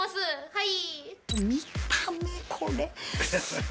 はい